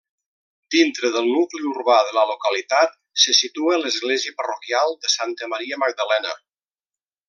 Dintre del nucli urbà de la localitat se situa l'església parroquial de Santa Maria Magdalena.